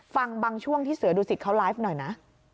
ฟังบางช่วงที่เสือดุสิตเขาไลฟ์หน่อยนะ